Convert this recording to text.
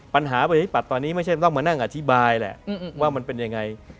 ประชาธิปัตย์ตอนนี้ไม่ใช่ต้องมานั่งอธิบายแหละว่ามันเป็นยังไง